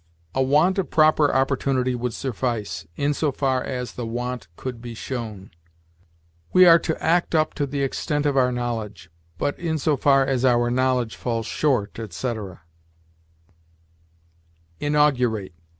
"A want of proper opportunity would suffice, in so far as the want could be shown." "We are to act up to the extent of our knowledge; but, in so far as our knowledge falls short," etc. INAUGURATE.